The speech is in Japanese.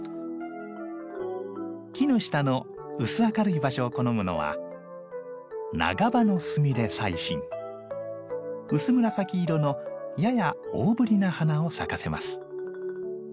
木の下の薄明るい場所を好むのは薄紫色のやや大ぶりな花を咲かせます。